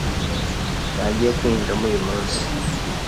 ntagiye kwinjiramo uyu munsi,